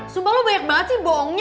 sumpah lo banyak banget sih bohongnya